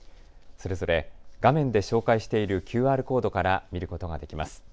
それぞれ画面で紹介しているＱＲコードから見ることができます。